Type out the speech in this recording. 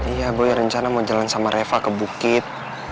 iya boy rencana mau jalan sama reva ke bukit